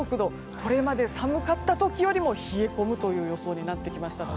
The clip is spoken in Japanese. これまで寒かった時よりも冷え込むという予想になってきましたので。